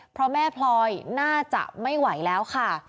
เพราะแม่พลอยน่าจะไม่ไหวแล้วค่ะ